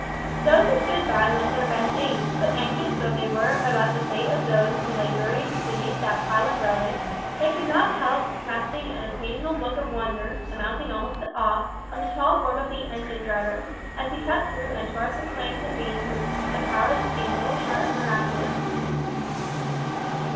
Those who stood by lent their best aid, but anxious though they were about the fate of those who lay buried beneath that pile of rubbish, they could not help casting an occasional look of wonder, amounting almost to awe, on the tall form of the engine driver, as he cut through and tore up the planks and beams with a power that seemed little short of miraculous.